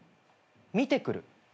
見てくる？